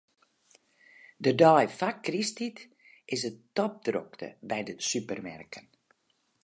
De dei foar krysttiid is it topdrokte by de supermerken.